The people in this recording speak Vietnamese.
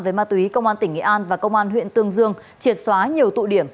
với ma túy công an tỉnh nghệ an và công an huyện tương dương triệt xóa nhiều tụ điểm